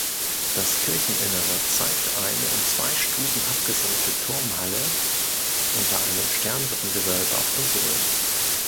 Das Kircheninnere zeigt eine um zwei Stufen abgesenkte Turmhalle unter einem Sternrippengewölbe auf Konsolen.